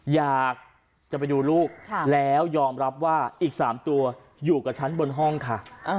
อยากจะไปดูลูกแล้วยอมรับว่าอีก๓ตัวอยู่กับฉันบนห้องค่ะ